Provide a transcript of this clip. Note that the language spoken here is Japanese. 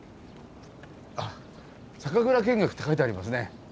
あ「酒蔵見学」って書いてありますね。